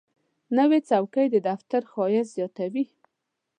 نوې چوکۍ د دفتر ښایست زیاتوي